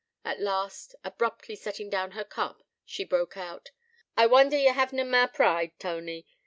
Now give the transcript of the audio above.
At last, abruptly setting down her cup, she broke out: 'I wonder ye hav'na mare pride, Tony.